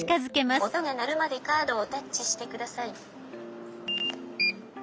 「音が鳴るまでカードをタッチして下さい」。